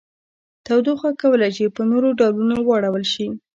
تودوخه کولی شي په نورو ډولونو واړول شي.